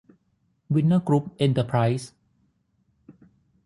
วินเนอร์กรุ๊ป เอ็นเตอร์ไพรซ์